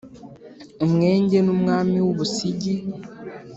umwenge n’ umwami w’u busigi